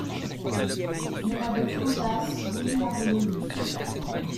Mais l'abbé Faujas voulut la relever.